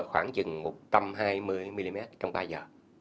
khoảng chừng một trăm hai mươi mm trong ba giờ